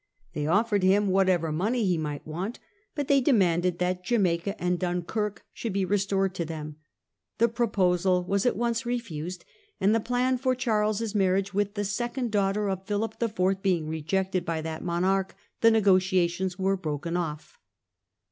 They offered him whatever money he might want, but they demanded that Jamaica and Dun kirk should be restored to them. The proposal was at once refused, and the plan for Charles's marriage with the second daughter of Philip IV. being rejected by that monarch, the negotiations were broken off.